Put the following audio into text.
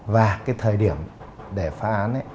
và cái thời điểm để phá án